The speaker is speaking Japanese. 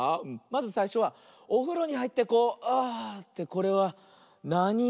まずさいしょはおふろにはいってこうあってこれはなに「い」？